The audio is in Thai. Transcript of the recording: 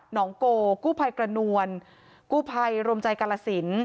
หนองโกกูภัยกระนวนกูภัยรมไจกรระศิลป์